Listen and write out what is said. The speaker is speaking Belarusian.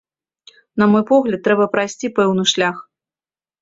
На мой погляд, трэба прайсці пэўны шлях.